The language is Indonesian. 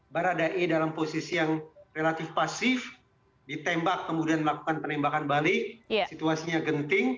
baradae dalam posisi yang relatif pasif ditembak kemudian melakukan penembakan balik situasinya genting